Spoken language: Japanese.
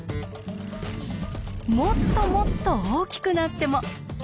もっともっと大きくなっても。